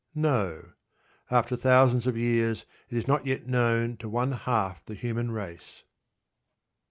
No. After thousands of years it is not yet known to one half the human race.